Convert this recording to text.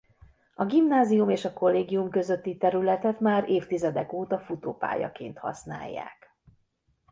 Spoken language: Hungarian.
A gimnázium és a kollégium közötti területet már évtizedek óta futópályaként használják.